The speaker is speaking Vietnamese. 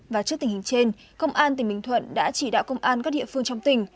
và trước tình hình trên công an tỉnh bình thuận đã chỉ đạo công an các địa phương trong tỉnh